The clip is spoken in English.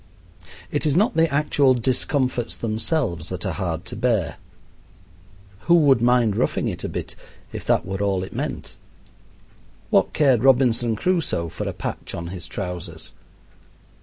It is not the actual discomforts themselves that are hard to bear. Who would mind roughing it a bit if that were all it meant? What cared Robinson Crusoe for a patch on his trousers?